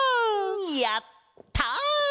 やった！